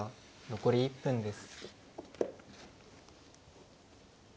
残り１分です。